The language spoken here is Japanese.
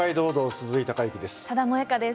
鈴井貴之です。